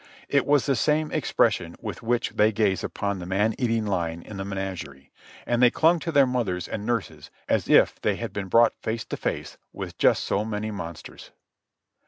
It was the same expression with which they gaze upon the man eating lion in the menagerie, and they clung to their mothers and nurses as if they had been brought face to face with just so many monsters.